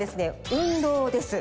「運動」です。